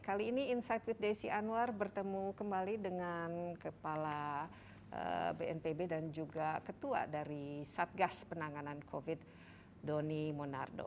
kali ini insight with desi anwar bertemu kembali dengan kepala bnpb dan juga ketua dari satgas penanganan covid doni monardo